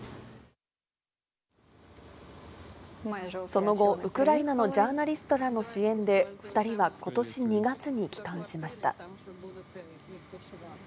その後、ウクライナのジャーナリストらの支援で、２人はことし２月に帰還しました。